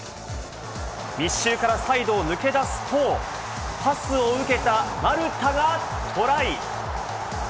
密集からサイドを抜け出すとパスを受けたマルタがトライ！